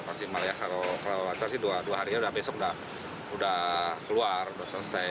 kalau kawasan sih dua hari besok udah keluar udah selesai